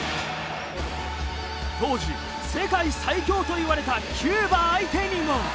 当時世界最強といわれたキューバ相手にも。